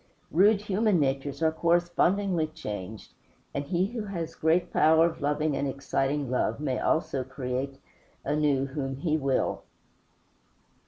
Rude human natures are correspondingly changed, and he who has great power of loving and exciting love may almost create anew whom he will.